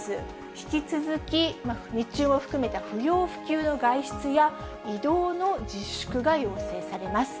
引き続き、日中も含めた不要不急の外出や移動の自粛が要請されます。